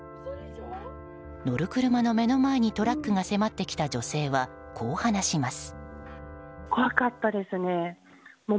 乗る車の目の前にトラックが迫ってきた女性は、こう話します。